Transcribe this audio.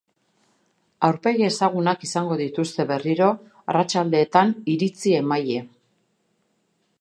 Aurpegi ezagunak izango dituzte berriro arratsaldeetan iritzi emaile.